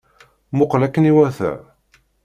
Muqqel akken iwata!